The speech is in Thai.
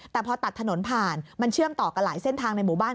แต่พอตัดถนนผ่านมันเชื่อมต่อกันหลายเส้นทางในหมู่บ้าน